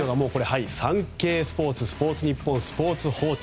サンケイスポーツスポーツニッポン、スポーツ報知